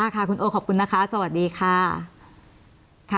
ค่ะคุณโอขอบคุณนะคะสวัสดีค่ะ